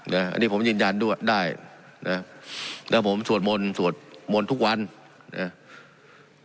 อันนี้ผมยืนยันด้วยได้นะแล้วผมสวดมนต์สวดมนต์ทุกวันนะ